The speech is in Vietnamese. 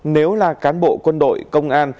nếu là cán bộ quân đội công an